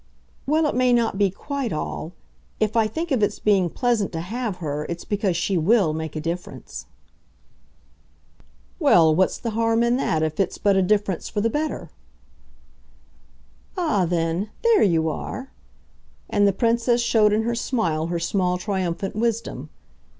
"Well, it may not be quite all. If I think of its being pleasant to have her, it's because she WILL make a difference." "Well, what's the harm in that if it's but a difference for the better?" "Ah then there you are!" And the Princess showed in her smile her small triumphant wisdom.